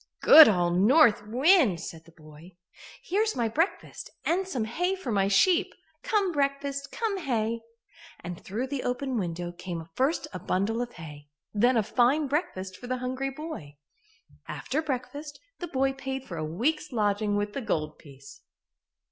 "Good old North Wind!" said the boy. "Here's my breakfast and some hay for my sheep. Come breakfast, come hay," and through the open window came first a bundle of hay, and then a fine breakfast for the hungry boy. After breakfast, the boy paid for a week's lodging with the gold piece.